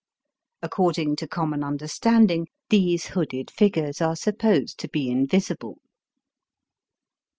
According to common understand ing these hooded figures are supposed to be invisible.